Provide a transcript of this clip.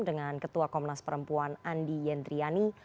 dengan ketua komnas perempuan andi yendriani